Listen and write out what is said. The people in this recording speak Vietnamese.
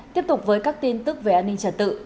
tiếp tục với các tin tức về an ninh trật tự